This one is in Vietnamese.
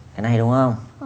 cái này đúng không